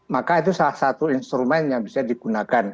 maka itu salah satu instrumen yang bisa digunakan